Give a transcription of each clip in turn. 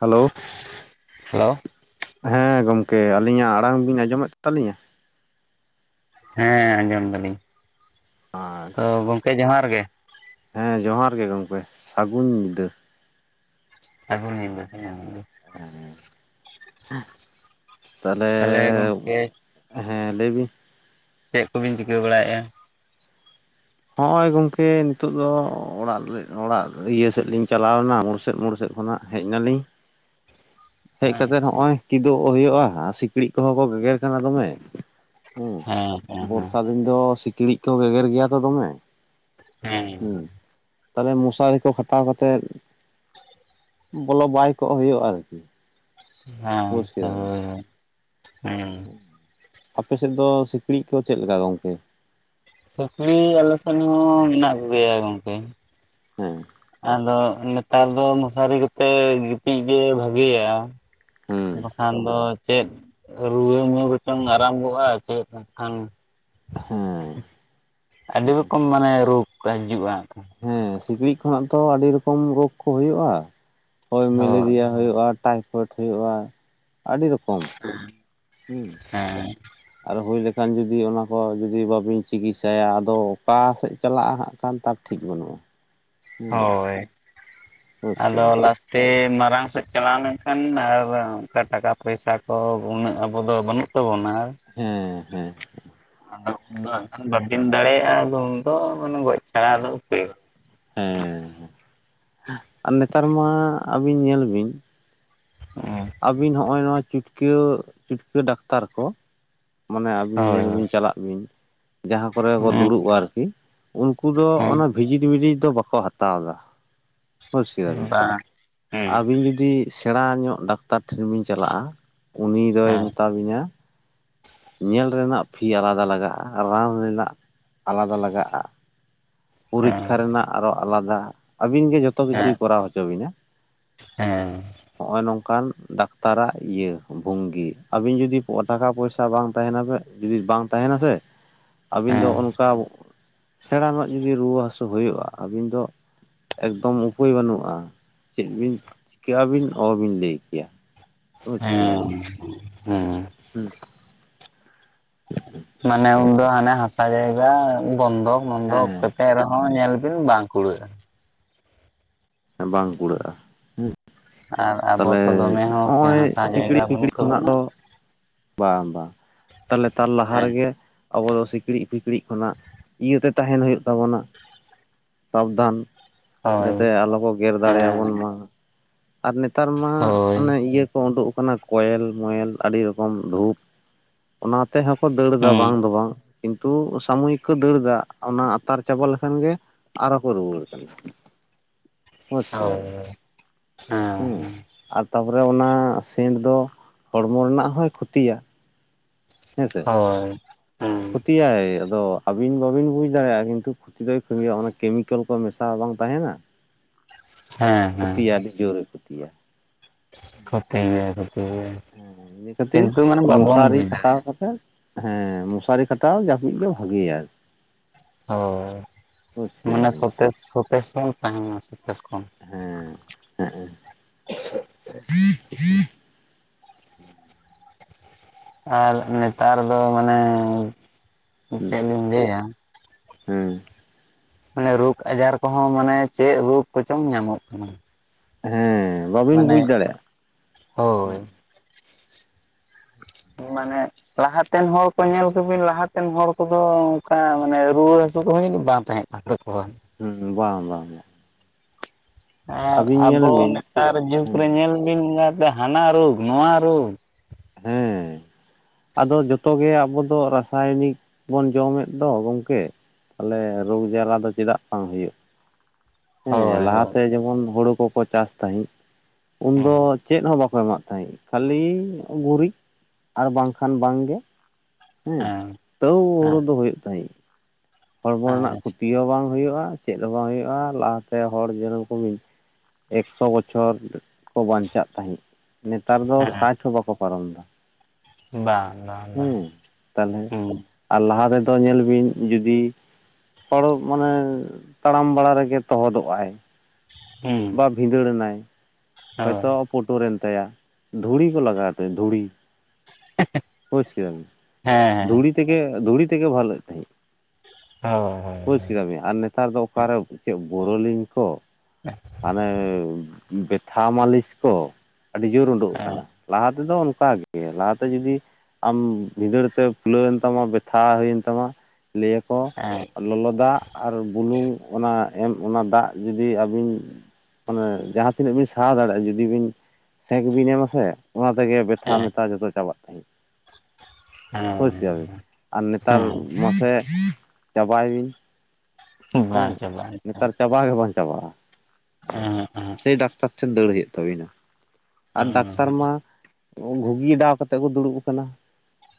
Hello hello ᱦᱮᱸ ᱜᱚᱝᱠᱮ ᱟᱹᱞᱤᱧᱟᱜ ᱟᱲᱟᱝ ᱵᱤᱱ ᱟᱸᱡᱚᱢᱮᱫ ᱛᱟᱞᱤᱧᱟ ᱦᱮᱸ ᱟᱸᱡᱚᱢ ᱫᱟᱞᱤᱧ ᱛᱚ ᱟᱪᱪᱷᱟ ᱜᱚᱝᱠᱮ ᱡᱚᱦᱟᱨ ᱜᱮ ᱦᱮᱸ ᱡᱚᱦᱟᱨ ᱜᱮ ᱜᱚᱢᱠᱮ ᱥᱟᱹᱜᱩᱱ ᱧᱤᱫᱟᱹ ᱥᱟᱹᱜᱩᱱ ᱧᱤᱫᱟᱹ ᱛᱟᱦᱚᱞᱮ ᱛᱟᱦᱞᱮ ᱜᱚᱝᱠᱮ ᱦᱮᱸ ᱞᱟᱹᱭ ᱵᱤᱱ ᱪᱮᱫ ᱠᱚᱵᱤᱱ ᱪᱤᱠᱟᱹ ᱵᱟᱲᱟᱭᱮᱫ-ᱟ ᱦᱚᱜ-ᱚᱭ ᱜᱚᱝᱠᱮ ᱱᱤᱛᱚᱜ ᱫᱚ ᱚᱲᱟᱜ ᱚᱲᱟᱜ ᱤᱭᱟᱹ ᱥᱮᱫ ᱞᱤᱧ ᱪᱟᱞᱟᱣᱱᱟ ᱢᱳᱲᱥᱮᱫ ᱢᱳᱲᱥᱮᱫ ᱠᱷᱚᱱᱟᱜ ᱦᱮᱡ ᱱᱟᱞᱤᱧ ᱦᱮᱡ ᱠᱟᱛᱮᱜ ᱟᱪᱪᱷᱟ ᱦᱚᱜ-ᱚᱭ ᱠᱤᱫᱩᱯ ᱦᱩᱭᱩᱜ-ᱟ ᱟᱨ ᱥᱤᱠᱲᱤᱡ ᱠᱚᱦᱚᱸ ᱠᱚ ᱜᱮᱜᱮᱨ ᱠᱟᱱᱟ ᱫᱚᱢᱮ ᱦᱩᱸ ᱦᱮᱸ ᱦᱮᱸ ᱵᱚᱨᱥᱟ ᱫᱤᱱ ᱫᱚ ᱥᱤᱠᱬᱤᱡ ᱠᱚ ᱜᱮᱜᱮᱨ ᱜᱮᱭᱟ ᱛᱚ ᱫᱚᱢᱮ ᱦᱮᱸ ᱛᱚᱵᱮ ᱢᱚᱥᱟᱨᱤ ᱠᱚ ᱠᱷᱟᱴᱟᱣ ᱠᱟᱛᱮᱫᱽ ᱵᱚᱞᱚ ᱵᱟᱭ ᱠᱚᱜ ᱦᱩᱭᱩᱜᱼᱟ ᱟᱨᱠᱤ᱾ ᱵᱩᱡᱽ ᱦᱮᱸ [unintelligible] ᱠᱮᱫᱟᱵᱤᱱ ᱦᱩᱸ ᱟᱯᱮᱥᱮᱫ ᱫᱚ ᱥᱤᱠᱬᱤᱡ ᱠᱚ ᱪᱮᱫ ᱞᱮᱠᱟ ᱜᱚᱝᱠᱮ ᱥᱤᱠᱬᱤ ᱟᱞᱮ ᱥᱮᱱ ᱦᱚᱸ ᱢᱮᱱᱟᱜ ᱠᱚᱜᱮᱭᱟ ᱜᱚᱝᱠᱮ᱾ ᱦᱮᱸ ᱟᱫᱚ ᱱᱮᱛᱟᱨ ᱫᱚ ᱢᱚᱥᱟᱨᱤ ᱠᱚᱛᱮ ᱜᱤᱛᱤᱡ ᱜᱮ ᱵᱷᱟᱹᱜᱤᱭᱟ᱾ ᱦᱮᱸ ᱵᱟᱠᱷᱟᱱ ᱫᱚ ᱪᱮᱫ ᱨᱩᱣᱟᱹ [unintelligible] ᱟᱨᱟᱢᱵᱚᱜᱼᱟ ᱪᱮᱫ ᱮᱱᱠᱷᱟᱱ, ᱦᱮᱸ ᱟᱹᱰᱤ ᱨᱚᱠᱚᱢ ᱢᱟᱱᱮ ᱨᱳᱜᱽ ᱠᱚ ᱦᱤᱡᱩᱜ-ᱟ ᱦᱮᱸ ᱥᱤᱠᱲᱤᱡ ᱠᱷᱚᱱᱟᱜ ᱛᱚ ᱟᱹᱰᱤ ᱨᱚᱠᱚᱢ ᱨᱳᱜᱽ ᱠᱚ ᱦᱩᱭᱩᱜᱼᱟ ᱦᱳᱭ ᱢᱮᱞᱮᱨᱤᱭᱟ ᱦᱩᱭᱩᱜᱼᱟ ᱴᱟᱭᱯᱷᱚᱭᱮᱴ ᱦᱩᱭᱩᱜᱼᱟ ᱟᱹᱰᱤ ᱨᱚᱠᱚᱢ᱾ ᱦᱮᱸ ᱦᱮᱸ ᱟᱫᱚ ᱦᱩᱭ ᱞᱮᱠᱷᱟᱱ ᱡᱩᱫᱤ ᱚᱱᱟ ᱠᱚ ᱡᱩᱫᱤ ᱵᱟᱹᱵᱤᱱ ᱪᱤᱠᱤᱛᱥᱟᱭᱟ ᱟᱫᱚ ᱚᱠᱟ ᱥᱮᱫ ᱪᱟᱞᱟᱜᱼᱟ ᱦᱟᱸᱜ ᱴᱷᱤᱠ ᱵᱟᱹᱱᱩᱜᱼᱟ, ᱦᱮᱸ ᱦᱳᱭ ᱵᱩᱡᱽ ᱟᱫᱚ ᱠᱮᱫᱟᱵᱤᱱ ᱞᱟᱥ [inaudible] ᱛᱮ ᱢᱟᱨᱟᱝ ᱥᱮᱫ ᱪᱟᱞᱟᱣ ᱞᱮᱱᱠᱷᱟᱱ ᱟᱨ ᱚᱱᱠᱟ ᱴᱟᱠᱟ ᱯᱚᱭᱥᱟ ᱠᱚ ᱩᱱᱟᱹᱜ ᱟᱵᱚᱫᱚ ᱵᱟᱹᱱᱩᱜ ᱛᱟᱵᱚᱱᱟ ᱦᱮᱸ ᱦᱮᱸ [unintelligible] ᱟᱫᱚ ᱩᱱᱟᱹᱜ ᱵᱟᱝᱠᱷᱟᱱ ᱵᱟᱹᱠᱤᱱ ᱫᱟᱲᱮᱭᱟᱜᱼᱟ ᱟᱫᱚ ᱩᱱᱫᱚ ᱢᱟᱱᱮ ᱜᱚᱡ ᱪᱷᱟᱲᱟ ᱫᱚ ᱩᱯᱟᱹᱭ ᱵᱟᱝ᱾ ᱦᱮᱸᱮ ᱟᱨ ᱱᱮᱛᱟᱨ ᱢᱟ ᱟᱹᱵᱤᱱ ᱧᱮᱞ ᱵᱤᱱ [unintelligible] ᱟᱵᱤᱱ ᱦᱚᱜᱼᱚᱭ ᱱᱚᱣᱟ ᱪᱩᱴᱠᱟᱹ ᱪᱩᱴᱠᱟᱹ ᱰᱟᱠᱛᱟᱨ ᱠᱚ ᱢᱟᱱᱮ ᱟᱹᱵᱤᱱ ᱧᱮᱞ ᱵᱤᱱ ᱦᱳᱭ ᱪᱟᱞᱟᱜ ᱵᱤᱱ ᱡᱟᱦᱟᱸ ᱠᱚᱨᱮ ᱵᱚ ᱦᱳᱭ ᱫᱩᱲᱩᱵᱼᱟ ᱟᱨᱠᱤ, ᱩᱱᱠᱩ ᱫᱚ ᱚᱱᱟ ᱦᱮᱸ ᱵᱷᱤᱡᱤᱴ ᱢᱤᱨᱤᱡ ᱫᱚ ᱵᱟᱠᱚ ᱦᱟᱛᱟᱣ ᱮᱫᱟ᱾ ᱵᱩᱡ ᱠᱮᱫᱟ ᱦᱮᱸ ᱵᱤᱱ ᱵᱟᱝ ᱦᱮᱸ ᱟᱵᱤᱱ ᱡᱩᱫᱤ ᱥᱮᱲᱟ ᱧᱚᱜ ᱰᱟᱠᱛᱟᱨ ᱴᱷᱮᱱ ᱵᱤᱱ ᱪᱟᱞᱟᱜᱼᱟ ᱩᱱ ᱫᱚᱭ ᱦᱮᱸ ᱢᱮᱛᱟ ᱵᱤᱱᱟ ᱧᱮᱞ ᱨᱮᱱᱟᱜ ᱯᱷᱤ ᱟᱞᱟᱫᱟ ᱞᱟᱜᱟᱜᱼᱟ ᱨᱟᱱ ᱨᱮᱱᱟᱜ ᱟᱞᱟᱫᱟ ᱞᱟᱜᱟᱜᱼᱟ᱾ ᱦᱮᱸ ᱯᱚᱨᱤᱠᱠᱷᱟ ᱨᱮᱱᱟᱜ ᱟᱨᱚ ᱟᱞᱟᱫᱟ ᱟᱹᱵᱤᱱ ᱜᱮ ᱡᱚᱛᱚ ᱠᱤᱪᱷᱩᱭ ᱠᱚᱨᱟᱣ ᱦᱚᱪᱚ ᱵᱤᱱᱟ᱾ ᱦᱮᱸ ᱦᱚᱜᱼᱚᱭ ᱱᱚᱝᱠᱟᱱ ᱰᱟᱠᱛᱟᱨᱟᱜ ᱤᱭᱟᱹ ᱵᱷᱚᱝᱜᱤ ᱟᱹᱵᱤᱱ ᱡᱩᱫᱤ ᱴᱟᱠᱟ ᱯᱚᱭᱥᱟ ᱵᱟᱝ ᱛᱟᱦᱮᱱᱟ ᱥᱮ [inaudible] ᱡᱩᱫᱤ ᱵᱟᱝ ᱛᱟᱦᱮᱱᱟ ᱥᱮ ᱟᱹᱵᱤᱱ ᱫᱚ ᱦᱮᱸ ᱦᱮᱸ ᱚᱱᱠᱟ ᱥᱮᱬᱟ ᱨᱮᱱᱟᱜ ᱨᱩᱣᱟᱹ ᱦᱟᱹᱥᱩ ᱦᱩᱭᱩᱜᱼᱟ ᱟᱹᱵᱤᱱ ᱫᱚ ᱮᱠᱫᱚᱢ ᱩᱯᱟᱹᱭ ᱵᱟᱹᱱᱩᱜᱼᱟ ᱪᱮᱫ ᱵᱤᱱ ᱪᱤᱠᱟᱹᱜ ᱟᱵᱤᱱ ᱚᱦᱚᱵᱤᱱ ᱞᱟᱹᱭ ᱠᱮᱭᱟ᱾ ᱛᱚᱵᱮ ᱪᱤᱠᱟᱹᱭᱟᱵᱤᱱ ᱦᱮᱸ ᱦᱮᱸ ᱦᱩᱸ [inaudible] ᱢᱟᱱᱮ ᱩᱱᱫᱚ ᱦᱟᱱᱮ ᱦᱟᱥᱟ ᱡᱟᱭᱜᱟ ᱵᱚᱱᱫᱚᱠ, ᱢᱚᱱᱫᱚᱠ ᱠᱟᱛᱮᱜ ᱨᱮᱦᱚᱸ ᱧᱮᱞ ᱵᱤᱱ ᱵᱟᱝ ᱠᱩᱲᱟᱹᱜᱼᱟ᱾ ᱵᱟᱝ ᱠᱩᱲᱟᱹᱜᱼᱟ ᱟᱨ ᱟᱵᱚ ᱛᱟᱦᱞᱮ ᱛᱚ ᱫᱚᱢᱮ ᱦᱚᱸ ᱦᱚᱸᱜᱼᱚᱭ ᱦᱟᱥᱟ ᱡᱟᱭᱜᱟ ᱥᱤᱠᱲᱤ ᱵᱟᱹᱱᱩᱜ ᱠᱷᱚᱱᱟᱜ ᱛᱟᱵᱚᱱᱟ ᱫᱚ ᱵᱟᱝ ᱵᱟᱝ ᱛᱟᱞᱦᱮ ᱛᱟᱨ ᱞᱟᱦᱟ ᱦᱮᱸ ᱨᱮᱜᱮ ᱟᱵᱚ ᱫᱚ ᱥᱤᱠᱢᱤᱡ ᱯᱷᱠᱲᱤᱡ ᱠᱷᱚᱱᱟᱜ ᱤᱭᱟᱹᱛᱮ ᱛᱟᱦᱮᱱ ᱦᱩᱭᱩᱜ ᱛᱟᱵᱚᱱᱟ᱾ ᱥᱟᱵᱫᱷᱟᱱ ᱦᱳᱭ ᱡᱟᱛᱮ ᱟᱞᱚ ᱠᱚ ᱜᱮᱨ ᱦᱮᱸ ᱫᱟᱲᱮᱭᱟᱵᱚᱱ ᱢᱟ, ᱟᱨ ᱱᱮᱛᱟᱨ ᱢᱟ ᱦᱳᱭ ᱚᱱᱮ ᱤᱭᱟᱹ ᱠᱚ ᱩᱰᱩᱝ ᱟᱠᱟᱱᱟ ᱠᱚᱭᱮᱞ ᱢᱚᱭᱮᱞ ᱟᱹᱰᱤ ᱨᱚᱠᱚᱢ ᱨᱩᱯ ᱚᱱᱟ ᱛᱮᱦᱚᱸᱠᱚ ᱫᱟᱹᱲᱫᱟ ᱵᱟᱝ ᱦᱮᱸ ᱫᱚ ᱵᱟᱝ᱾ ᱠᱤᱱᱛᱩ ᱥᱟᱢᱚᱭᱤᱠ ᱠᱚ ᱫᱟᱹᱲ ᱫᱟ ᱚᱱᱟ ᱟᱛᱟᱨ ᱪᱟᱵᱟ ᱞᱮᱠᱷᱟᱱ ᱜᱮ ᱟᱨᱚ ᱠᱚ ᱨᱩᱣᱟᱹᱲ ᱠᱟᱱᱟ᱾ [unintelligible] ᱦᱳᱭ ᱠᱮᱫᱟᱵᱤᱱ ᱦᱳᱭ, ᱦᱮᱸ ᱦᱮᱸ ᱟᱨ ᱛᱟᱯᱚᱨᱮ ᱚᱱᱟ ᱥᱮᱱᱴ ᱫᱚ ᱦᱚᱲᱢᱚ ᱨᱮᱱᱟᱜ ᱦᱚᱸᱭ ᱠᱷᱩᱛᱤᱭᱟ ᱦᱮᱸ ᱦᱳᱭ ᱠᱩᱛᱤᱭᱟᱭ ᱟᱫᱚ ᱟᱹᱵᱤᱱ ᱵᱟᱹᱵᱤᱱ ᱵᱩᱡᱽ ᱫᱟᱲᱮᱭᱟᱜᱼᱟ ᱠᱤᱱᱛᱩ ᱠᱷᱩᱛ ᱫᱚᱭ ᱠᱷᱟᱛᱤᱭᱟ ᱚᱱᱟ ᱠᱮᱢᱤᱠᱮᱞ ᱠᱚ ᱢᱮᱥᱟ ᱨᱮ ᱵᱟᱝ ᱛᱟᱦᱮᱱᱟ ᱦᱮᱸ ᱦᱮᱸ ᱠᱷᱚᱛᱤᱭᱟ ᱟᱹᱰᱤ ᱡᱳᱨᱮ ᱮ ᱠᱷᱚᱛᱤᱭᱟ ᱠᱚᱷᱛᱢ ᱜᱮᱭᱟ ᱠᱷᱩᱛᱤ ᱜᱮᱭᱟ ᱦᱮᱸ ᱤᱱᱟᱹ ᱠᱷᱟᱹᱛᱤᱨ ᱠᱤᱱᱛᱩ ᱢᱟᱱᱮ ᱵᱟᱵᱚᱱ ᱢᱚᱥᱟᱨᱤ ᱵᱩᱡᱽ ᱫᱟᱲᱮᱭᱟᱜᱼᱟ ᱠᱷᱟᱴᱟᱣ ᱠᱟᱛᱮᱜ ᱦᱮᱸ ᱢᱚᱥᱟᱨᱤ ᱠᱷᱟᱴᱟᱣ ᱡᱟᱹᱯᱤᱫ ᱜᱮ ᱵᱷᱟᱜᱮᱭᱟ ᱟᱨᱠᱤ ᱦᱳᱭ ᱵᱩᱡᱽ ᱢᱟᱱᱮ ᱠᱮᱫᱟᱵᱤᱱ ᱥᱚᱛᱮᱥ ᱥᱚᱛᱮᱥ ᱦᱚᱸ ᱛᱟᱦᱮᱱᱟ ᱥᱚᱛᱮᱥ ᱠᱷᱚᱱ ᱦᱮᱸ ᱦᱮᱸᱜ-ᱮ [unintelligible] ᱟᱨ ᱱᱮᱛᱟᱨ ᱫᱚ ᱢᱟᱱᱮ ᱪᱮᱫ ᱞᱤᱧ ᱞᱟᱹᱭᱟ ᱦᱩᱸ ᱢᱟᱱᱮ ᱨᱳᱜᱽ ᱟᱡᱟᱨ ᱠᱚᱦᱚᱸ ᱢᱟᱱᱮ ᱪᱮᱫ ᱨᱳᱜᱽ ᱠᱚᱪᱚᱝ ᱧᱟᱢᱚᱜ ᱠᱟᱱᱟ ᱦᱮᱸ ᱵᱟᱵᱤᱱ ᱢᱟᱱᱮ ᱵᱩᱡᱽ ᱫᱟᱲᱮᱭᱟᱜᱼᱟ ᱦᱳᱭ ᱢᱟᱱᱮ ᱞᱟᱦᱟᱛᱮᱱ ᱦᱚᱲ ᱠᱚ ᱧᱮᱞ ᱠᱚᱵᱤᱱ ᱞᱟᱦᱟᱛᱮᱱ ᱦᱚᱲ ᱠᱚᱫᱚ ᱚᱝᱠᱟ ᱢᱟᱱᱮ ᱨᱩᱣᱟᱹ ᱦᱟᱥᱩ ᱠᱚᱦᱚᱸ ᱡᱟᱱᱤᱡ ᱵᱟᱝ ᱛᱟᱦᱮᱸ ᱠᱟᱱᱟ ᱠᱟᱱ ᱛᱟᱠᱚᱣᱟ ᱦᱩᱸ ᱵᱟᱝ ᱵᱟᱝ ᱵᱟᱝ ᱟᱨ ᱟᱹᱵᱤᱱ ᱧᱮᱞ ᱟᱵᱚ ᱵᱤᱱ ᱱᱮᱛᱟᱨ ᱡᱩᱜᱽ ᱨᱮ ᱦᱮᱸ ᱧᱮᱞ ᱵᱤᱱ ᱮᱸᱜᱟᱛᱮ ᱦᱟᱱᱟ ᱨᱳᱜᱽ ᱱᱚᱣᱟ ᱨᱳᱜᱽ ᱦᱮᱸ ᱟᱫᱚ ᱡᱚᱛᱚ ᱜᱮ ᱟᱵᱚ ᱫᱚ ᱨᱟᱥᱟᱭᱚᱱᱤᱠ ᱵᱚᱱ ᱡᱚᱢᱮᱫ ᱫᱚ ᱜᱚᱝᱠᱮ ᱛᱟᱞᱦᱮ ᱨᱳᱜᱽ ᱡᱟᱞᱟ ᱫᱚ ᱪᱮᱫᱟᱜ ᱵᱟᱝ ᱦᱩᱭᱩᱜ ᱦᱮᱸ ᱦᱳᱭ ᱦᱳᱭ ᱞᱟᱦᱟᱛᱮ ᱡᱮᱢᱚᱱ ᱦᱩᱲᱩ ᱠᱚᱠᱚ ᱪᱟᱥ ᱛᱟᱦᱮᱸᱜ ᱩᱱ ᱦᱮᱸ ᱫᱚ ᱪᱮᱫ ᱦᱚᱸ ᱵᱟᱠᱚ ᱮᱢᱟᱜ ᱛᱟᱦᱮᱸᱫ ᱠᱷᱟᱹᱞᱤ ᱜᱩᱨᱤᱡ ᱟᱨ ᱵᱟᱝᱠᱷᱟᱱ ᱵᱟᱝ ᱜᱮ ᱦᱮᱸ ᱛᱟᱹᱣ ᱦᱩᱲᱩ ᱦᱮᱸ ᱫᱚ ᱦᱩᱭᱩᱜ ᱛᱟᱦᱮᱸᱫ ᱦᱚᱲᱢᱚ ᱨᱮᱱᱟᱜ ᱟᱪᱪᱷᱟ ᱠᱷᱩᱛᱤ ᱦᱚᱸ ᱵᱟᱝ ᱦᱩᱭᱩᱜᱼᱟ ᱪᱮᱫ ᱦᱚᱸ ᱵᱟᱝ ᱦᱩᱭᱩᱜᱼᱟ ᱟᱨ ᱞᱟᱦᱟᱛᱮ ᱦᱚᱲ ᱧᱮᱞᱠᱚᱢ ᱮᱠᱥᱚ ᱵᱚᱪᱷᱚᱨ ᱠᱚ ᱵᱟᱧᱪᱟᱜ ᱛᱟᱦᱮᱸᱜ ᱱᱮᱛᱟᱨ ᱫᱚ ᱦᱮᱸ ᱥᱟᱴ ᱦᱚᱸ ᱵᱟᱠᱚ ᱯᱟᱨᱚᱢᱮᱫᱟᱟ ᱵᱟᱝ ᱵᱟᱝ ᱦᱩᱸ, ᱵᱟᱝ ᱛᱟᱞᱦᱮ ᱦᱩᱸ ᱟᱨ ᱞᱟᱦᱟ ᱛᱮᱫᱚ ᱧᱮᱞ ᱵᱤᱱ ᱡᱩᱫᱤ ᱯᱚᱨᱚᱵᱽ ᱢᱟᱱᱮ ᱛᱟᱲᱟᱢ ᱵᱟᱲᱟ ᱨᱮᱜᱮ ᱛᱚᱦᱚᱫᱚᱜ-ᱟᱭ ᱦᱩᱸ ᱵᱟ ᱵᱷᱤᱸᱫᱟᱹᱲᱮᱱᱟᱭ ᱦᱳᱭ ᱦᱚᱭᱛᱳ ᱯᱩᱴᱩᱨᱮᱱ ᱛᱟᱭᱟ ᱫᱷᱩᱲᱤ ᱠᱚ ᱞᱟᱜᱟᱣᱟ ᱛᱟᱭᱟ ᱫᱷᱩᱲᱤ ᱵᱩᱡᱽ ᱠᱮᱫᱟᱢ ᱦᱮᱸ ᱦᱮᱸ ᱫᱷᱩᱲᱤ ᱛᱮᱜᱮ ᱫᱷᱩᱲᱤ ᱛᱮᱜᱮ ᱵᱷᱟᱞᱮᱜ ᱛᱟᱦᱮᱸᱫ ᱦᱳᱭ ᱦᱳᱭ ᱵᱩᱡᱽ ᱦᱳᱭ ᱠᱮᱫᱟ ᱵᱮᱱ ᱟᱨ ᱱᱮᱛᱟᱨ ᱫᱚ ᱚᱠᱟᱨᱮ ᱪᱮᱫ ᱵᱚᱨᱚᱞᱤᱧ ᱠᱚ ᱦᱮᱸ [unintelligible] ᱢᱟᱱᱮ ᱵᱮᱛᱷᱟ ᱢᱟᱹᱞᱤᱥ ᱠᱚ ᱟᱹᱰᱤ ᱡᱳᱨ ᱩᱰᱩᱠ ᱦᱮᱸ ᱟᱠᱟᱱᱟ᱾ ᱞᱟᱦᱟ ᱛᱮᱫᱚ ᱚᱱᱠᱟᱜᱮ᱾ ᱞᱟᱦᱟᱛᱮ ᱡᱩᱫᱤ ᱟᱢ ᱵᱷᱤᱸᱫᱟᱹᱲ ᱛᱮ ᱯᱷᱩᱞᱟᱹᱣᱮᱱ ᱛᱟᱢᱟ᱾ ᱵᱮᱛᱷᱟ ᱦᱩᱭᱮᱱ ᱛᱟᱢᱟ ᱞᱟᱹᱭᱟᱢ ᱦᱮᱸ ᱞᱚᱞᱚ ᱫᱟᱜ ᱟᱨ ᱵᱩᱞᱩᱝ, ᱚᱱᱟ ᱮᱢ ᱚᱱᱟ ᱫᱟᱜ ᱡᱩᱫᱤ ᱟᱹᱵᱤᱱ ᱢᱟᱱᱮ ᱡᱟᱦᱟᱸ ᱛᱤᱱᱟᱹᱜ ᱵᱤᱱ ᱥᱟᱦᱟ ᱫᱟᱲᱮᱭᱟᱜᱼᱟ᱾ ᱡᱩᱫᱤ ᱵᱤᱱ ᱥᱮᱸᱠ ᱵᱤᱱ ᱮ ᱟᱥᱮ᱾ ᱚᱱᱟ ᱛᱮᱜᱮ ᱵᱮᱛᱷᱟ ᱢᱮᱛᱷᱟ ᱡᱚᱛᱚ ᱪᱟᱵᱟᱜ ᱛᱟᱧ ᱵᱩᱡ ᱠᱮᱫᱟ ᱵᱤᱱ᱾ ᱟᱨ ᱦᱮᱸ ᱱᱮᱛᱟᱨ ᱢᱟᱥᱮ ᱪᱟᱵᱟᱭ ᱵᱤᱱ ᱦᱮᱸ ᱵᱟᱝ ᱪᱟᱵᱟᱜᱼᱟ ᱱᱮᱛᱟᱨ ᱪᱟᱵᱟ ᱜᱮ ᱵᱟᱝ ᱪᱟᱵᱟᱜᱼᱟ? ᱟᱸᱻ ᱟᱸᱻ ᱥᱮᱭ ᱰᱟᱠᱛᱟᱨ ᱴᱷᱮᱱ ᱫᱟᱹᱲ ᱦᱩᱭᱩᱜ ᱛᱟᱵᱤᱱᱟ᱾ ᱟᱨ ᱰᱟᱠᱛᱟᱨ ᱦᱮᱸ ᱢᱟ ᱜᱷᱩᱜᱤᱰᱟᱣ ᱠᱟᱛᱮᱫ ᱠᱚ ᱫᱩᱲᱩᱵ ᱟᱠᱟᱱᱟ᱾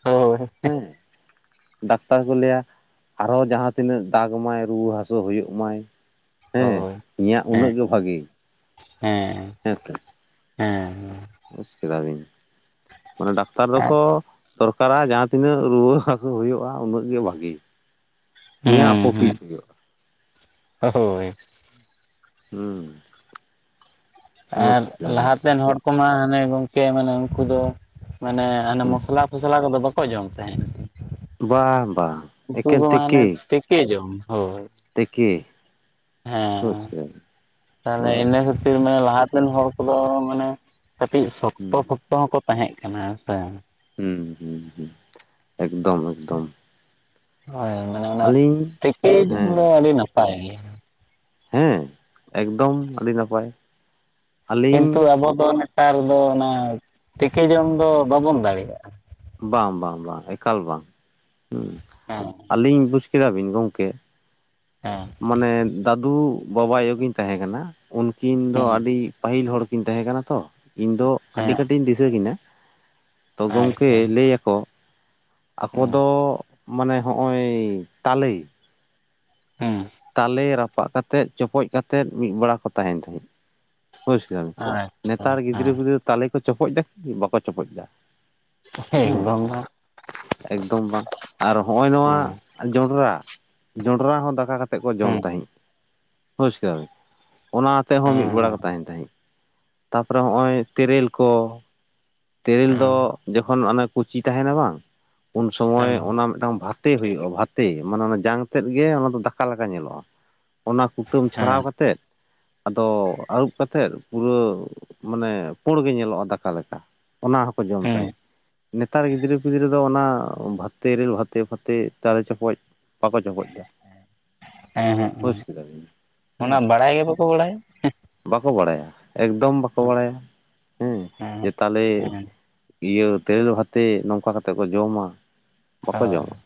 ᱦᱳᱭ ᱦᱮᱸ ᱰᱟᱠᱛᱟᱨ ᱠᱚ ᱞᱟᱹᱭᱟ ᱟᱨᱦᱚᱸ ᱡᱟᱦᱟᱸ ᱛᱤᱱᱟᱹᱜ ᱫᱟᱜ ᱢᱟᱭ ᱨᱩᱣᱟᱹ ᱦᱟᱹᱥᱩ ᱦᱩᱭᱩᱜ ᱢᱟᱭ᱾ ᱦᱮᱸ ᱦᱳᱭ ᱤᱧᱟᱜ ᱩᱱᱟᱹᱜ ᱦᱮᱸ ᱜᱮ ᱵᱷᱟᱜᱮ᱾ ᱦᱮᱸ ᱦᱮᱸ ᱛᱮ ᱦᱮᱸ ᱵᱩᱡᱽ ᱠᱮᱫᱟᱞᱤᱧ ᱢᱟᱱᱮ ᱰᱟᱠᱛᱟᱨ ᱫᱚᱠᱚ, ᱰᱟᱹᱠᱛᱟᱨᱟᱜ ᱡᱟᱦᱟᱸ ᱛᱤᱱᱟᱹᱜ ᱨᱩᱣᱟᱹ ᱦᱟᱹᱥᱩ ᱦᱩᱭᱩᱜᱼᱟ, ᱩᱱᱟᱹᱜ ᱜᱮ ᱵᱷᱟᱜᱤ᱾ ᱤᱧᱟᱜ ᱦᱮᱸ ᱯᱨᱚᱯᱷᱤᱴ ᱦᱮᱸ ᱦᱩᱭᱩᱜ᱾ ᱦᱳᱭ ᱦᱮᱸ ᱟᱨ ᱞᱟᱦᱟᱛᱮᱱᱟᱜ ᱦᱚᱲ ᱠᱚᱢᱟ ᱦᱟᱱᱮ ᱜᱚᱝᱠᱮ ᱢᱟᱱᱮ ᱩᱱᱠᱩ ᱫᱚ ᱢᱟᱱᱮ ᱦᱟᱱᱮ ᱦᱩᱸ ᱢᱚᱥᱞᱟᱼ ᱯᱷᱚᱥᱞᱟ ᱠᱚᱫᱚ ᱵᱟᱠᱚ ᱡᱚᱢ ᱛᱟᱦᱮᱸᱱᱟ᱾ ᱵᱟᱝ ᱵᱟᱝ ᱩᱛᱩ ᱮᱠᱮᱱ ᱫᱚ ᱢᱟᱱᱮ ᱛᱮᱠᱮ ᱛᱮᱠᱮ ᱡᱚᱢ ᱦᱳᱭ᱾ ᱛᱮᱠᱮ ᱵᱩᱡᱽ ᱦᱮᱸ ᱠᱮᱫᱟ ᱵᱤᱱ ᱛᱟᱦᱞᱮ ᱦᱩᱸ ᱤᱱᱟᱹ ᱠᱷᱟᱹᱛᱤᱨ ᱢᱟᱱᱮ ᱞᱟᱦᱟᱛᱮᱱ ᱦᱚᱲ ᱠᱚᱫᱚ ᱢᱟᱱᱮ ᱠᱟᱹᱴᱤᱡ ᱦᱩᱸ ᱥᱚᱠᱛᱚ-ᱯᱚᱠᱛᱚ ᱦᱚᱸᱠᱚ ᱛᱟᱦᱮᱸᱜ ᱠᱟᱱᱟ ᱥᱮ᱾ ᱦᱩᱸ ᱦᱩᱸ ᱦᱩᱸ ᱮᱠᱫᱚᱢ ᱮᱠᱫᱚᱢ ᱦᱳᱭ ᱢᱟᱱᱮ ᱚᱱᱟ ᱟᱹᱞᱤᱧ ᱛᱮᱠᱮ ᱡᱚᱢ ᱦᱮᱸ ᱫᱚ ᱟᱹᱰᱤ ᱱᱟᱯᱟᱭ ᱜᱮᱭᱟ᱾ ᱦᱮᱸ ᱮᱠᱫᱚᱢ ᱟᱹᱰᱤ ᱱᱟᱯᱟᱭ᱾ ᱠᱤᱱᱛᱩ ᱟᱹᱞᱤᱧ ᱟᱵᱚᱫ ᱫᱚ ᱱᱮᱛᱟᱨ ᱫᱚ ᱚᱱᱟ ᱛᱮᱠᱮ ᱡᱚᱢ ᱫᱚ ᱵᱟᱵᱚᱱ ᱫᱟᱲᱮᱭᱟᱜᱼᱟ᱾ ᱵᱟᱝ ᱵᱟᱝ ᱵᱟᱝ ᱮᱠᱟᱞ ᱵᱟᱝ ᱦᱩᱸ ᱦᱮ ᱟᱹᱞᱤᱧ ᱵᱩᱡᱽ ᱠᱮᱫᱟᱵᱤᱱ ᱜᱚᱢᱠᱮ ᱦᱮᱸ ᱢᱟᱱᱮ ᱫᱟᱫᱩ ᱵᱟᱵᱟ- ᱟᱭᱳ ᱠᱤᱱ ᱛᱟᱦᱮᱸ ᱠᱟᱱᱟ ᱩᱱᱠᱤᱱ ᱫᱚ ᱦᱮᱸ ᱟᱹᱰᱤ ᱯᱟᱹᱦᱤᱞ ᱦᱚᱲ ᱠᱤᱱ ᱛᱟᱦᱮᱸ ᱠᱟᱱᱟ ᱛᱚ᱾ ᱤᱧ ᱫᱚ ᱟᱹᱰᱤ ᱦᱮᱸ ᱠᱟᱹᱴᱤᱡ ᱤᱧ ᱫᱤᱥᱟᱹ ᱠᱤᱱᱟ᱾ ᱛᱚ ᱜᱚᱢᱠᱮ ᱟᱪᱪᱷᱟ ᱞᱟᱹᱭ ᱟᱠᱚ ᱟᱵᱚ ᱦᱮᱸ ᱫᱚ ᱢᱟᱱᱮ ᱦᱚᱜᱼᱚᱭ ᱛᱟᱞᱮ ᱦᱮᱸ ᱛᱟᱞᱮ ᱨᱟᱯᱟᱜ ᱠᱟᱛᱮᱫ ᱪᱚᱯᱚᱡ ᱠᱟᱛᱮᱫ, ᱢᱤᱫ ᱵᱮᱲᱟ ᱠᱚ ᱛᱟᱦᱮᱱᱟ᱾ ᱟᱪᱪᱷᱟ ᱱᱮᱛᱟᱨ ᱜᱤᱫᱽᱨᱟᱹ- ᱦᱮᱸ ᱯᱤᱫᱽᱨᱟᱹ ᱛᱟᱞᱮ ᱠᱚ ᱪᱚᱯᱚᱡ ᱫᱟ ᱠᱤ? ᱵᱟᱠᱚ ᱪᱚᱯᱚᱡ ᱫᱟ᱾ ᱦᱮᱸ ᱮᱠᱫᱚᱢ ᱮᱠᱫᱚᱢ ᱵᱟᱝ ᱟᱨ ᱦᱚᱸᱜᱼᱚᱭ ᱚᱱᱟ ᱱᱚᱣᱟ ᱡᱚᱸᱰᱨᱟ ᱡᱚᱸᱰᱨᱟ ᱦᱚᱸ ᱫᱟᱠᱟ ᱠᱟᱛᱮᱫ ᱠᱚ ᱡᱚᱢ ᱛᱟᱸᱦᱮᱫ ᱦᱮᱸᱥᱮᱸ᱾ ᱚᱱᱟ ᱛᱮᱦᱚᱸ ᱢᱤᱫ ᱵᱮᱲᱟ ᱠᱚ ᱛᱟᱦᱮᱱ ᱛᱟᱦᱮᱸᱫ᱾ ᱛᱟᱯᱚᱨᱮ ᱦᱚᱜᱼᱚᱭ ᱛᱮᱨᱮᱞ ᱠᱚ᱾ ᱛᱮᱨᱮᱞ ᱫᱚ ᱡᱚᱠᱷᱚᱱ ᱚᱱᱮ ᱠᱩᱪᱤ ᱛᱟᱦᱮᱱᱟ ᱵᱟᱝ᱾ ᱩᱱ ᱥᱚᱢᱚᱭ ᱚᱱᱟ ᱢᱤᱫᱴᱟᱝ ᱵᱷᱟᱛ᱾ ᱵᱷᱟᱛᱮ ᱦᱩᱭᱩᱜᱼᱟ, ᱵᱷᱟᱛᱮ ᱢᱟᱱᱮ ᱚᱱᱟ ᱡᱟᱝ ᱛᱮᱫ ᱜᱮ ᱚᱱᱟ ᱫᱚ ᱫᱟᱠᱟ ᱞᱮᱠᱟ ᱧᱮᱞᱚᱜᱼᱟ᱾ ᱚᱱᱟ ᱠᱩᱴᱟᱹᱢ ᱪᱷᱟᱲᱟᱣ ᱠᱟᱛᱮᱜ᱾ ᱟᱫᱚ ᱟᱹᱨᱩᱵ ᱠᱟᱛᱮᱫ ᱯᱩᱨᱟᱹ ᱢᱟᱱᱮ ᱯᱩᱲ ᱜᱮ ᱧᱮᱞᱚᱜᱼᱟ ᱫᱟᱠᱟ ᱞᱮᱠᱟ᱾ ᱚᱱᱟ ᱦᱚᱸᱠᱚ ᱡᱚᱢ ᱛᱟᱦᱮᱸᱫ᱾ ᱱᱮᱛᱟᱨ ᱜᱤᱫᱽᱨᱟᱹ ᱯᱤᱫᱽᱨᱟᱹ ᱟᱫᱚ ᱚᱱᱟ ᱵᱷᱟᱛᱮ [unintelligible] ᱵᱷᱟᱛᱮ ᱯᱷᱟᱛᱮ ᱛᱟᱞᱮ ᱪᱚᱯᱚᱡ ᱵᱟᱠᱚ ᱪᱚᱯᱚᱡ [unintelligible] [unintelligible] ᱠᱮᱫᱟ ᱵᱤᱱ [unintelligible] ᱦᱮᱸ ᱚᱱᱟ ᱵᱟᱲᱟᱭ ᱜᱮ ᱵᱟᱠᱚ ᱵᱟᱲᱟᱭᱟ᱾ ᱵᱟᱠᱚ ᱵᱟᱲᱟᱭᱟ ᱮᱠᱫᱚᱢ ᱵᱟᱠᱚ ᱵᱟᱲᱟᱭᱟ, ᱦᱮᱸ ᱡᱮ ᱛᱟᱞᱮ ᱤᱭᱟᱹ ᱛᱮᱨᱮᱞ ᱵᱷᱟᱛᱮ ᱱᱚᱝᱠᱟ ᱠᱟᱛᱮᱫ ᱠᱚ ᱡᱚᱢᱟ ᱵᱟᱠᱚ ᱦᱮᱸ ᱡᱚᱢᱟ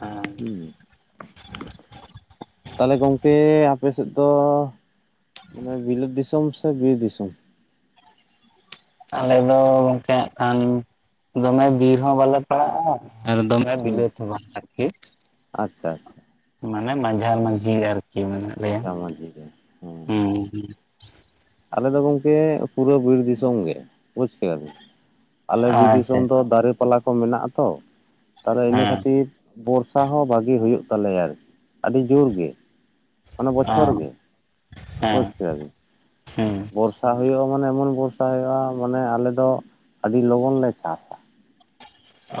[unintelligible] ᱦᱮᱸ᱾ ᱦᱩᱸ ᱛᱟᱦᱚᱞᱮ ᱜᱚᱝᱠᱮ ᱟᱯᱮ ᱥᱮᱫ ᱫᱚ ᱢᱟᱱᱮ ᱵᱤᱞᱟᱹᱛ ᱫᱤᱥᱚᱢ ᱥᱮ ᱵᱤᱨ ᱫᱤᱥᱚᱢ? ᱟᱞᱮ ᱫᱚ ᱜᱚᱝᱠᱮ ᱦᱟᱸᱜ ᱠᱷᱟᱱ ᱫᱚᱢᱮ ᱵᱤᱨ ᱦᱚᱸ ᱵᱟᱞᱮ ᱯᱟᱲᱟᱜᱼᱟ ᱟᱨ ᱫᱚᱢᱮ ᱫᱚ ᱢᱮ ᱦᱩᱸ ᱵᱤᱞᱟᱹᱛ ᱦᱚ ᱵᱟᱝ ᱟᱨᱠᱤ ᱟᱪᱪᱷᱟ ᱟᱪᱪᱷᱟ ᱢᱟᱱᱮ ᱢᱟᱡᱷᱟ ᱢᱟᱹᱡᱷᱤ ᱟᱨᱠᱤ ᱟᱨᱠᱤ ᱢᱮᱱᱟᱜ ᱞᱮᱭᱟ᱾ ᱢᱟᱡᱷᱟ ᱢᱟᱹᱡᱷᱤ ᱜᱮ [unintelligible] ᱦᱮᱸ ᱦᱩᱸ᱾ ᱟᱞᱮ ᱫᱚ ᱜᱚᱝᱠᱮ ᱯᱩᱨᱟᱹ ᱵᱤᱨ ᱫᱤᱥᱚᱢ ᱜᱮ᱾ ᱵᱩᱡᱽ ᱠᱮᱫᱟᱵᱤᱱ᱾ [unintelligible] ᱟᱞᱮ ᱵᱤᱨ ᱟᱪᱪᱷᱟ ᱫᱤᱥᱚᱢ ᱫᱚ ᱫᱟᱨᱮ ᱯᱟᱞᱟ ᱠᱚ ᱢᱮᱱᱟᱜ ᱟᱛᱚ ᱛᱟᱦᱟᱞᱮ ᱤᱱᱟᱹ ᱦᱮᱸ ᱠᱷᱟᱹᱛᱤᱨ ᱵᱚᱨᱥᱟ ᱦᱚᱸ ᱵᱷᱟᱜᱤ ᱦᱩᱭᱩᱜ ᱛᱟᱞᱮᱭᱟ ᱟᱨᱠᱤ ᱟᱹᱰᱤ ᱡᱩᱨ ᱜᱮ᱾ ᱚᱱᱟ ᱵᱚᱪᱷᱚᱨ ᱦᱮᱸ ᱜᱮ᱾ ᱵᱩᱡᱽ ᱦᱮᱸ ᱠᱮᱫᱟ ᱵᱤᱱ [unintelligible] ᱦᱩᱸ᱾ ᱵᱚᱨᱥᱟ ᱦᱩᱭᱩᱜ-ᱟ ᱢᱟᱱᱮ ᱮᱢᱚᱱ ᱵᱚᱨᱥᱟ ᱦᱩᱭᱩᱜ-ᱟ ᱢᱟᱱᱮ ᱟᱞᱮ ᱫᱚ ᱟᱰᱤ ᱞᱚᱜᱚᱱ ᱞᱮ ᱪᱟᱥᱟ᱾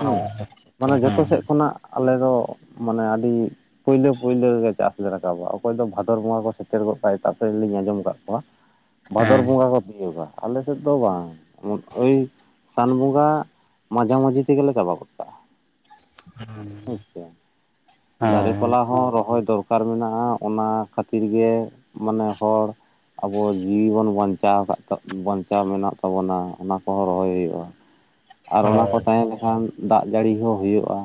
ᱦᱩᱸ ᱢᱟᱱᱮ [unintelligible] ᱡᱚᱛᱚ ᱥᱮᱫ ᱦᱮᱸ᱾ ᱠᱷᱚᱱᱟᱜ ᱟᱞᱮ ᱫᱚ ᱢᱟᱱᱮ ᱟᱰᱤᱼᱼ ᱯᱩᱭᱞᱟᱹ ᱯᱩᱭᱞᱟᱹ ᱨᱮᱜᱮ ᱪᱟᱥ ᱞᱮ ᱨᱟᱠᱟᱵᱟ ᱚᱠᱚᱭ ᱫᱚ ᱵᱷᱟᱫᱚᱨ ᱵᱚᱸᱜᱟ ᱠᱚ ᱥᱮᱴᱮᱨ ᱜᱚᱫ ᱠᱟᱜ-ᱟ ᱮᱴᱟᱜ ᱥᱮᱫ ᱨᱮ ᱞᱤᱧ ᱟᱸᱡᱚᱢ ᱟᱠᱟᱫ ᱠᱚᱣᱟ᱾ ᱵᱷᱟᱫᱚᱨ ᱦᱮᱸ ᱵᱚᱸᱜᱟ ᱠᱚ ᱛᱤᱭᱩᱜᱟ᱾ ᱟᱞᱮ ᱥᱮᱫ ᱫᱚ ᱵᱟᱝ [unintelligible] ᱳᱭ ᱥᱟᱱ ᱵᱚᱸᱜᱟ ᱢᱟᱡᱷᱟ ᱢᱟᱹᱡᱷᱤ ᱛᱮᱜᱮ ᱞᱮ ᱪᱟᱵᱟ ᱜᱚᱜᱼᱼ ᱦᱮᱸ ᱟᱪᱪᱷᱟ ᱾ [unintelligible] ᱫᱟᱨᱮ ᱦᱳᱭ ᱯᱟᱞᱟ ᱦᱚᱸ ᱨᱚᱦᱚᱭ ᱫᱚᱨᱠᱟᱨ ᱫᱚᱨᱠᱟᱨ ᱢᱮᱱᱟᱜ-ᱟ ᱚᱱᱟ ᱠᱷᱟᱛᱤᱨ ᱜᱮ ᱢᱟᱱᱮ ᱦᱚᱲᱼᱼ ᱟᱵᱚ ᱡᱤᱣᱤ ᱵᱚᱱ ᱵᱟᱧᱪᱟᱣ ᱟᱠᱟᱫ [unintelligible] ᱵᱟᱧᱪᱟᱣ ᱢᱮᱱᱟᱜ ᱛᱟᱵᱚᱱᱟ ᱚᱱᱟ ᱠᱚᱦᱚᱸ ᱨᱚᱦᱚᱭ ᱦᱩᱭᱩᱜ-ᱟ᱾ ᱟᱨ ᱚᱱᱟ ᱠᱚ ᱦᱳᱭ ᱛᱟᱦᱮᱸ ᱞᱮᱠᱷᱟᱱ ᱫᱟᱜ ᱡᱟᱲᱤ ᱦᱚᱸ ᱦᱩᱭᱩᱜ-ᱟ᱾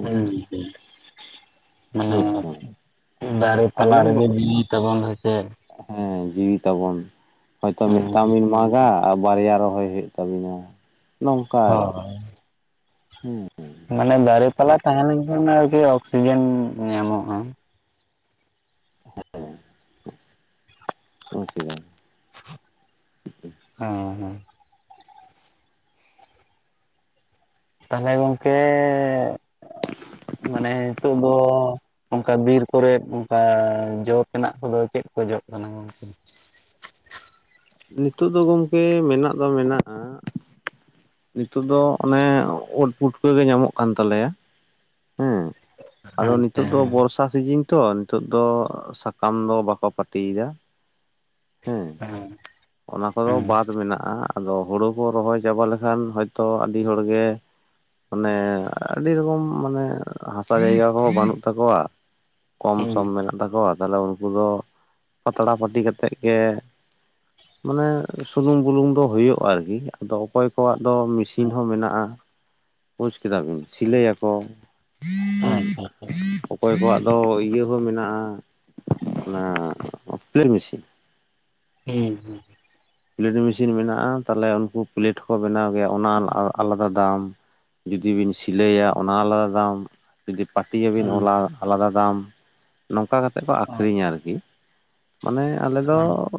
ᱦᱮᱸ ᱦᱩᱸ᱾ ᱵᱩᱡ ᱫᱟᱢ [unintelligible] ᱫᱟᱨᱮ ᱯᱟᱞᱟ ᱟᱵᱚ ᱨᱮᱜᱮ ᱡᱤᱣᱤ ᱛᱟᱵᱚᱱ ᱦᱩᱭ ᱥᱮ ᱦᱮᱸ ᱡᱤᱣᱤ ᱛᱟᱵᱚᱱ ᱾ [unintelligible] ᱦᱚᱭᱛᱚ ᱦᱩᱸ ᱢᱤᱫᱴᱟᱝ ᱵᱤᱱ ᱢᱟᱜᱟᱼᱼ ᱟᱨ ᱵᱟᱨᱭᱟ ᱨᱚᱦᱚᱭ ᱦᱩᱭᱩᱜ ᱛᱟᱹᱵᱤᱱᱟ ᱱᱚᱝᱠᱟ ᱟᱨᱠᱤ, ᱦᱳᱭ ᱦᱩᱸᱼᱼ ᱢᱟᱱᱮ ᱫᱟᱨᱮ ᱯᱟᱞᱟ ᱛᱟᱦᱮᱸ ᱞᱮᱱ ᱠᱷᱟᱱ ᱟᱨᱠᱤ ᱚᱠᱥᱤᱡᱮᱱ ᱧᱟᱢᱚᱜ-ᱟ᱾ [unintelligible] ᱠᱮᱫᱟᱭ ᱦᱮᱸ ᱦᱮᱸ᱾ ᱛᱟᱦᱚᱞᱮ ᱜᱚᱝᱠᱮ ᱢᱟᱱᱮ ᱱᱤᱛᱚᱜ ᱫᱚᱼᱼ ᱚᱱᱠᱟ ᱵᱤᱨ ᱠᱚᱨᱮᱫ ᱚᱱᱠᱟ ᱡᱚ ᱛᱮᱱᱟᱜ ᱠᱚᱫᱚ ᱪᱮᱫ ᱠᱚ ᱡᱚᱜ ᱠᱟᱱᱟ ᱜᱚᱝᱠᱮ? ᱱᱤᱛᱩᱜ ᱫᱚ ᱜᱚᱝᱠᱮ ᱢᱮᱱᱟᱜ ᱫᱚ ᱢᱮᱱᱟᱜ-ᱟ ᱱᱤᱛᱩᱜ ᱫᱚ ᱚᱱᱮ ᱩᱫ ᱯᱩᱴᱠᱟᱹ ᱜᱮ ᱧᱟᱢᱚᱜ ᱠᱟᱱ ᱛᱟᱞᱮᱭᱟ᱾ ᱦᱮᱸ ᱟᱫᱚ ᱟᱪᱪᱷᱟ ᱱᱤᱛᱩᱜ ᱫᱚ ᱦᱮᱸ ᱵᱚᱨᱥᱟᱼᱼ ᱥᱤᱡᱤᱧ ᱛᱚ ᱱᱤᱛᱚᱜ ᱫᱚ ᱥᱟᱠᱟᱢ ᱫᱚ ᱵᱟᱠᱚ ᱯᱟᱹᱴᱤᱭᱮᱫᱟ᱾ ᱦᱮᱸ᱾ ᱚᱱᱟ ᱠᱚᱫᱚ ᱵᱟᱫᱽ ᱢᱮᱱᱟᱜ-ᱟ ᱟᱫᱚ ᱦᱩᱲᱩ ᱠᱚ ᱨᱚᱦᱚᱭ ᱪᱟᱵᱟ ᱞᱮᱠᱷᱟᱱ ᱦᱚᱭᱛᱚ ᱟᱹᱰᱤ ᱦᱚᱲ ᱜᱮᱼᱼ ᱢᱟᱱᱮ ᱟᱹᱰᱤ ᱨᱚᱠᱚᱢ ᱢᱟᱱᱮ ᱦᱟᱥᱟ ᱡᱟᱭᱜᱟ ᱠᱚᱦᱚᱸ ᱵᱟᱱᱩᱜ ᱛᱟᱠᱚᱣᱟ᱾ ᱠᱚᱢ ᱦᱮᱸ ᱦᱩᱸ ᱥᱚᱢ ᱢᱮᱱᱟᱜ ᱛᱟᱠᱚᱣᱟ ᱛᱟᱦᱚᱞᱮ ᱩᱱᱠᱩ ᱫᱚ ᱯᱟᱛᱲᱟ ᱯᱟᱹᱴᱤ ᱠᱟᱛᱮᱫ ᱜᱮᱼᱼ ᱢᱟᱱᱮ ᱥᱩᱱᱩᱢ ᱵᱩᱞᱩᱝ ᱫᱚ ᱦᱩᱭᱩᱜ-ᱟ ᱟᱨᱠᱤ ᱟᱫᱚ ᱚᱠᱚᱭ ᱠᱚᱣᱟᱜ ᱫᱚ ᱢᱤᱥᱤᱱ ᱦᱚᱸ ᱢᱮᱱᱟᱜ-ᱟ᱾ ᱵᱩᱡᱽ ᱠᱮᱫᱟ ᱵᱤᱱ ᱥᱤᱞᱟᱹᱭ ᱟᱠᱚ ᱟᱪᱪᱷᱟ ᱟᱪᱪᱷᱟ [unintelligible] ᱚᱠᱚᱭ ᱠᱚᱣᱟᱜ ᱫᱚ ᱤᱭᱟᱹᱼᱼ ᱠᱩ ᱢᱮᱱᱟᱜ-ᱟ ᱚᱱᱟ ᱯᱮᱞᱮᱴ ᱢᱤᱥᱤᱱ᱾ ᱦᱩᱸ ᱦᱩᱸ᱾ ᱯᱮᱞᱮᱴ ᱢᱤᱥᱤᱱ ᱢᱮᱱᱟᱜ-ᱟ ᱛᱟᱦᱚᱞᱮ ᱩᱱᱠᱩ ᱯᱮᱞᱮᱴ ᱠᱚ ᱵᱮᱱᱟᱣ ᱜᱮᱭᱟ ᱚᱱᱟ [unintelligible] ᱟᱞᱟᱫᱟ ᱫᱟᱢ᱾ ᱡᱩᱫᱤ ᱵᱤᱱ ᱥᱤᱞᱟᱹᱭᱟ ᱚᱱᱟ ᱟᱞᱟᱫᱟ ᱫᱟᱢ ᱡᱩᱫᱤ [unintelligible] ᱯᱟᱹᱴᱤᱭᱟ ᱵᱤᱱ ᱚᱞᱟ ᱟᱞᱟᱫᱟ ᱫᱟᱢ ᱱᱚᱝᱠᱟ ᱠᱟᱛᱮᱜ ‌ᱠᱚ ᱟᱠᱷᱨᱤᱧᱟ ᱟᱨᱠᱤ᱾ ᱢᱟᱱᱮ ᱟᱞᱮ ᱫᱚ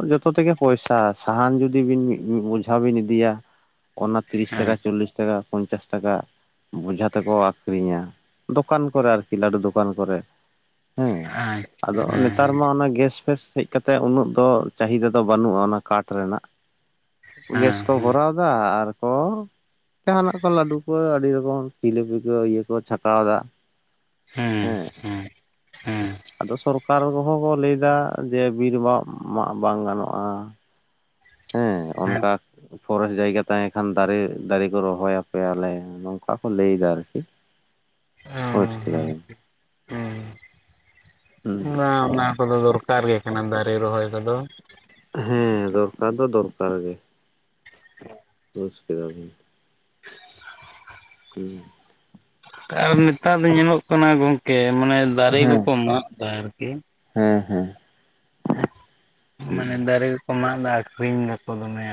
ᱡᱚᱛᱚ ᱛᱮᱜᱮ ᱯᱚᱭᱥᱟᱼᱼ ᱥᱟᱦᱟᱱ ᱡᱩᱫᱤ ᱵᱤᱱ ᱢᱤᱜ ᱢᱤᱜ ᱵᱩᱡᱷᱟ ᱵᱤᱱ ᱤᱫᱤᱭᱟ ᱚᱱᱟ ᱛᱤᱨᱤᱥ ᱴᱟᱠᱟ ᱪᱚᱞᱞᱤᱥᱼᱼ ᱴᱟᱠᱟ ᱯᱚᱧᱪᱟᱥ ᱴᱟᱠᱟᱼᱼ ᱵᱚᱡᱷᱟ ᱛᱮᱠᱚ ᱟᱠᱷᱨᱤᱧᱟ, ᱫᱚᱠᱟᱱ ᱠᱚᱨᱮ ᱟᱨᱠᱤ ᱞᱟᱰᱩ ᱫᱚᱠᱟᱱ ᱠᱚᱨᱮ᱾ ᱦᱮᱸ ᱟᱫᱚ ᱟᱪᱪᱷᱟ ᱱᱮᱛᱟᱨ ᱢᱟ ᱚᱱᱟ ᱜᱮᱥ ᱯᱷᱮᱥᱼᱼ ᱦᱮᱡ ᱠᱟᱛᱮ ᱩᱱᱟᱹᱜ ᱫᱚ ᱪᱟᱹᱦᱤᱫᱟ ᱫᱚ ᱵᱟᱱᱩᱜ-ᱟ, ᱚᱱᱟ ᱠᱟᱴ ᱨᱮᱱᱟᱜ ᱜᱮᱥ ᱠᱚ ᱦᱮᱸ ᱵᱷᱚᱨᱟᱣᱼᱼ ᱫᱟ ᱟᱨ ᱠᱚ ᱡᱟᱦᱟᱸ ᱱᱟᱜ ᱠᱚ ᱞᱟᱹᱰᱩ ᱠᱚ ᱟᱹᱰᱤ ᱨᱚᱠᱚᱢ᱾ ᱡᱤᱞᱟᱹᱯᱤ ᱠᱚ ᱤᱭᱟᱹ ᱠᱚ ᱪᱷᱟᱠᱟᱣ ᱫᱟ᱾ ᱦᱮᱸ᱾ ᱦᱮᱸ ᱦᱮᱸ ᱟᱫᱚ ᱥᱚᱨᱠᱟᱨ ᱠᱚᱦᱚᱸ ᱠᱚ ᱞᱟᱹᱭ ᱫᱟ ᱡᱮ ᱵᱤᱨ ᱵᱟ ᱢᱟᱜ ᱵᱟᱝ ᱜᱟᱱᱚᱜ-ᱟ᱾ ᱦᱮᱸ ᱚᱱᱠᱟᱼᱼ ᱯᱷᱚᱨᱮᱥᱴ ᱡᱟᱭᱜᱟ ᱛᱟᱦᱮᱸ ᱠᱷᱟᱱ ᱫᱟᱨᱮ ᱫᱟᱨᱮ ᱠᱚ ᱨᱚᱦᱚ ᱭᱟᱯᱮ ᱭᱟᱞᱮ ᱱᱚᱝᱠᱟ ᱠᱚ ᱞᱟᱹᱭ ᱫᱟ ᱟᱨᱠᱤ᱾ ᱵᱩᱥ ᱠᱮᱫᱟ ᱵᱤᱱ᱾ ᱦᱩᱸ ᱵᱟᱝ ᱚᱱᱟ ᱠᱚᱫᱚ ᱫᱚᱨᱠᱟᱨ ᱜᱮ ᱠᱟᱱᱟ ᱫᱟᱨᱮ ᱨᱚᱦᱚᱭ ᱠᱚᱫᱚ᱾ ᱦᱮᱸ ᱫᱚᱨᱠᱟᱨ ᱫᱚ ᱫᱚᱨᱠᱟᱨ ᱜᱮ᱾ [unintelligible] ᱵᱩᱡ ᱠᱮᱫᱟᱵᱤᱱ? ᱦᱮᱸ᱾ ᱟᱨ ᱱᱮᱛᱟᱨ ᱫᱚ ᱧᱮᱞᱚᱜ ᱠᱟᱱᱟ ᱜᱚᱝᱠᱮ ᱢᱟᱱᱮ ᱫᱟᱨᱮ ᱦᱮᱸ ᱠᱚᱠᱚ ᱢᱟᱜ ᱮᱫᱟ ᱟᱨᱠᱤ᱾ ᱦᱮᱸ ᱦᱮᱸ᱾ ᱢᱟᱱᱮ ᱫᱟᱨᱮ ᱠᱚᱠᱚ ᱢᱟᱜ ᱮᱫᱟ ᱟᱠᱠᱷᱟᱨᱤᱧ ᱮᱫᱟᱠᱚ ᱫᱚᱢᱮ, ᱟᱨ